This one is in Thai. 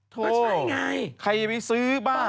โธ่ใครยังไม่ซื้อบ้า